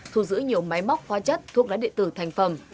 thu giữ nhiều máy móc hoa chất thuốc lá địa tử thành phẩm